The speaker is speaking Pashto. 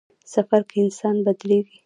سفر کې انسان بدلېږي.